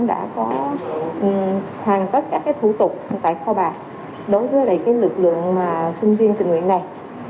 đã có hoàn tất các cái thủ tục tại kho bạc đối với lại cái lực lượng sinh viên tình nguyện này